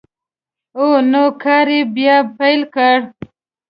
او نوی کار یې بیا پیل کړ.